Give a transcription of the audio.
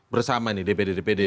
bersama nih dpd dpd